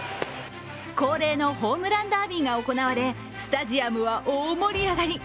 恒例のホームランダービーが行われ、スタジアムは大盛り上がり。